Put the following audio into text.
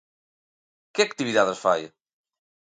Que actividades fai?